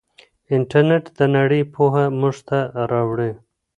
انټرنیټ د نړۍ پوهه موږ ته راوړي.